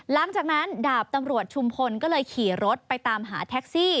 หลังจากนั้นดาบตำรวจชุมพลก็เลยขี่รถไปตามหาแท็กซี่